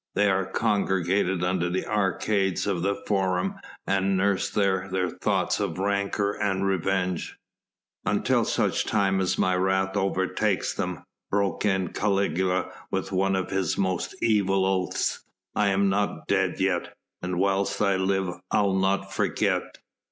They are congregated under the arcades of the Forum and nurse there their thoughts of rancour and of revenge." "Until such time as my wrath overtakes them," broke in Caligula with one of his most evil oaths. "I am not dead yet, and whilst I live I'll not forget.